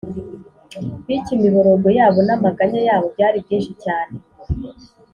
bityo imiborogo yabo n’amaganya yabo byari byinshi cyane.